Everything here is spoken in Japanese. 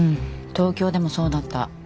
東京でもそうだった。